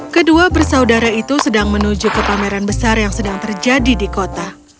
kedua bersaudara itu sedang menuju ke pameran besar yang sedang terjadi di kota